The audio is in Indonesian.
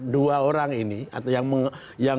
dua orang ini atau yang